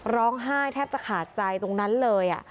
ร้องไห้แทบจะขาดใจตรงนั้นเลย